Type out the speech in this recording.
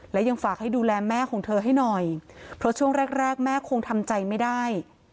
และยังฝากให้ดูแลแม่ของเธอให้หน่อยเพราะช่วงแรกแรกแม่คงทำใจไม่ได้